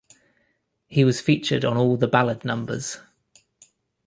He was featured on all the ballad numbers.